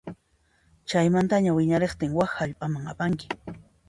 Chaymantaña wiñariqtin wak hallp'aman apanki.